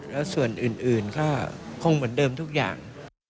แล้วส่วนอื่นก็คงเหมือนเดิมทุกอย่าง